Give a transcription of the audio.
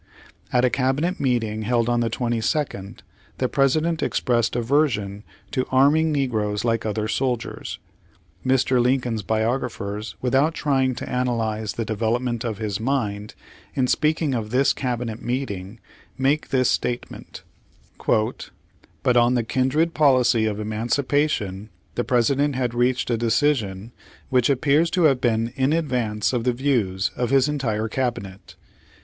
At a cabinet meeting held on the 22nd, the President expressed aversion to arming negroes like other soldiers. Mr. Lincoln's biographers, without trying to analyze the development of his mind, in speaking of this cabinet meeting, make 9 Page Sixty five Page Sixty six this statement: "But on the kindred policy of emancipation the President had reached a decision which appears to have been in advance of the views of his entire cabinet."